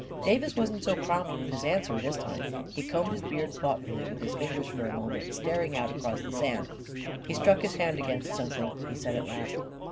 Davis wasn't so prompt with his answer, this time ; he combed his beard thoughtfully with his fin gers for a moment, staring out across the sand. 44 He struck his hand against something," he said, at last.